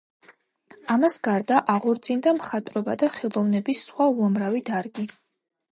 ამას გარდა აღორძინდა მხატვრობა და ხელოვნების სხვა უამრავი დარგი.